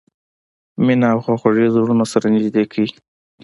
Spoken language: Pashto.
مینه او خواخوږي زړونه سره نږدې کوي.